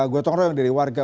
gua tonggol yang dari warga